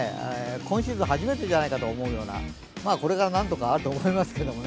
今シーズン初めてじゃないかと思うような、これが何度かあると思いますけど。